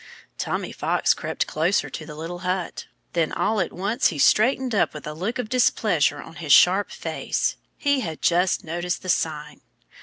Tommy Fox crept closer to the little hut. Then all at once he straightened up with a look of displeasure on his sharp face. He had just noticed the sign.